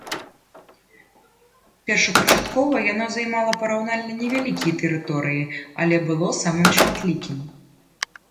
Першапачаткова, яно займала параўнальна невялікія тэрыторыі, але было самым шматлікім.